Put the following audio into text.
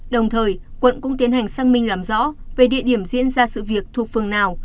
đồng thời quận cũng tiến hành sang minh làm rõ về địa điểm diễn ra sự việc thuộc phường nào